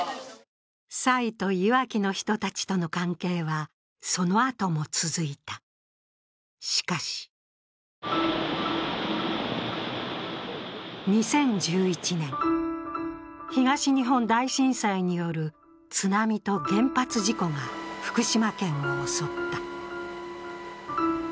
蔡といわきの人たちとの関係はそのあとも続いた、しかし２０１１年、東日本大震災による津波と原発事故が福島県を襲った。